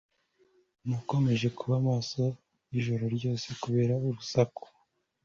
Nakomeje kuba maso ijoro ryose kubera urusaku